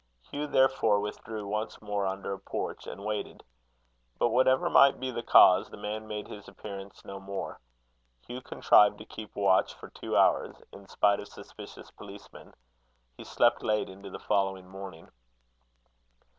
Hugh, therefore, withdrew once more under a porch, and waited. But, whatever might be the cause, the man made his appearance no more. Hugh contrived to keep watch for two hours, in spite of suspicious policemen. He slept late into the following morning.